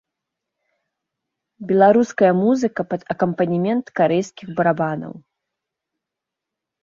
Беларуская музыка пад акампанемент карэйскіх барабанаў.